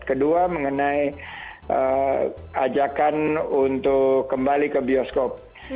kedua mengenai ajakan untuk kembali ke bioskop